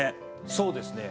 そうですね。